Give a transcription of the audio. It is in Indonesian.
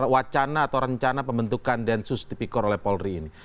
wacana atau rencana pembentukan densus tipikor oleh polri ini